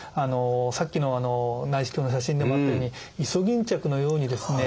さっきの内視鏡の写真でもあったようにイソギンチャクのようにですね